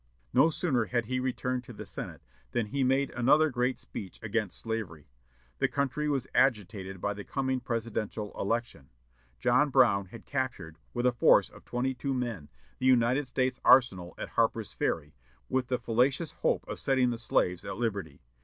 No sooner had he returned to the Senate than he made another great speech against slavery. The country was agitated by the coming presidential election. John Brown had captured, with a force of twenty two men, the United States arsenal at Harper's Ferry, with the fallacious hope of setting the slaves at liberty.